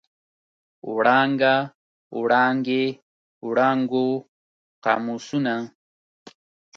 وړانګه، وړانګې، وړانګو، قاموسونه.